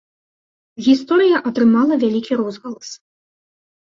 Гісторыя атрымала вялікі розгалас.